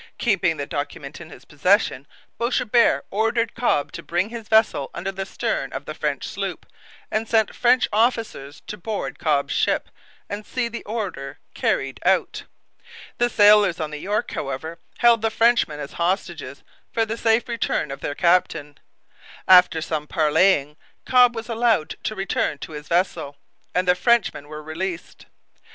Keeping the document in his possession, Boishebert ordered Cobb to bring his vessel under the stern of the French sloop, and sent French officers to board Cobb's ship and see the order carried out. The sailors on the York, however, held the Frenchmen as hostages for the safe return of their captain. After some parleying Cobb was allowed to return to his vessel, and the Frenchmen were released.